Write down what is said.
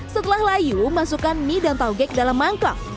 setelah layu masukkan mie dan tauge ke dalam mangkok